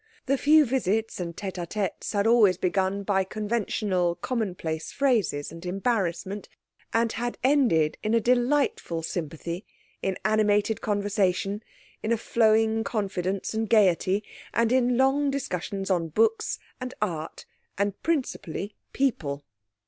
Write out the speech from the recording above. The few visits and tête à têtes had always begun by conventional commonplace phrases and embarrassment, and had ended in a delightful sympathy, in animated conversation, in a flowing confidence and gaiety, and in long discussions on books, and art, and principally people.